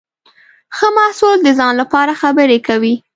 ښه محصول د ځان لپاره خبرې کوي.